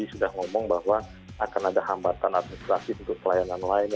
sudah ngomong bahwa akan ada hambatan administrasi untuk pelayanan lain